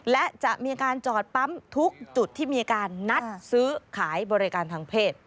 และจะมีการจอดปั๊มทุกจุดที่มีการนัดซื้อขายบริการทางเพศ